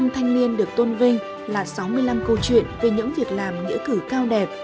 sáu mươi năm thanh niên được tôn vinh là sáu mươi năm câu chuyện về những việc làm nghĩa cử cao đẹp